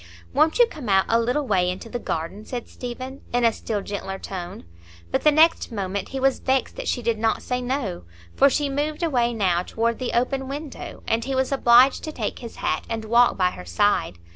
"Won't you come out a little way into the garden?" said Stephen, in a still gentler tone; but the next moment he was vexed that she did not say "No," for she moved away now toward the open window, and he was obliged to take his hat and walk by her side.